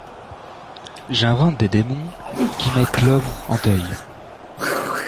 J’invente des démons qui mettent l’homme en deuil ;